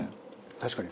確かに。